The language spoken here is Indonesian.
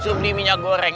supri minyak goreng